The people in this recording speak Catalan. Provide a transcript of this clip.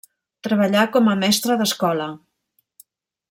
Treballà com a mestre d'escola.